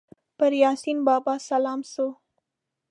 پر یاسین بابا سلام سو